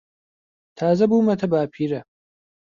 تازە بوومەتە باپیرە.